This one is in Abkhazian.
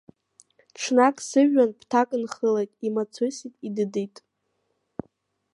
Ҽнак сыжәҩан ԥҭак нхылеит, имацәысит, идыдит!